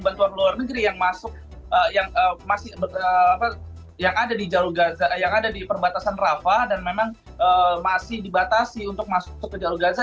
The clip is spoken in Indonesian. bantuan bantuan luar negeri yang masuk yang masih yang ada di jalur gaza yang ada di perbatasan rafa dan memang masih dibatasi untuk masuk ke jalur gaza